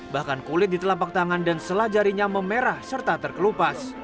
bahkan kulit di telapak tangan dan setelah jarinya memerah serta terkelupas